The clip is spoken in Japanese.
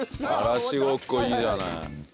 嵐ごっこいいじゃない。